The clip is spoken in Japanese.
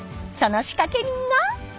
その仕掛け人が？